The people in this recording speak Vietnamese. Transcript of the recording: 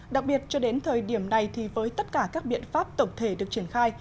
đặc biệt cho đến thời điểm này thì với tất cả các biện pháp tổng thể được triển khai